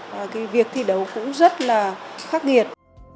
và việc thi đấu cũng rất là khắc nghiệt